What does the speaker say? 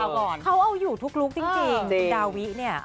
เขาเอาอยู่ทุกลุกจริงดาวิ